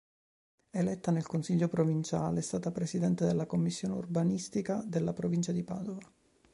Eletta al consiglio provinciale è stata Presidente della Commissione Urbanistica della Provincia di Padova.